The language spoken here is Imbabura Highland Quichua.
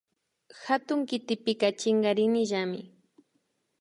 Hatun kitipika chinkarinillami